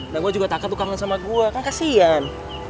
dan gue juga takut lo kangen sama gue kan kasihan